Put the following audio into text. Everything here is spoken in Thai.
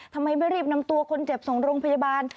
ทำไมไม่รีบนำตัวคนเจ็บส่งโรงพยาบาล